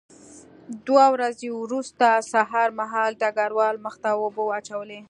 دوه ورځې وروسته سهار مهال ډګروال مخ ته اوبه واچولې